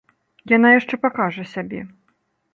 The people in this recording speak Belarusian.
Яна яшчэ пакажа сябе.